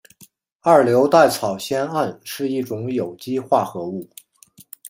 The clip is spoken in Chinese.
二硫代草酰胺是一种有机化合物。